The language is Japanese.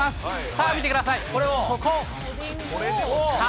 さあ見てください。